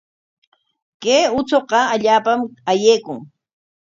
Kay uchuqa allaapam ayaykun.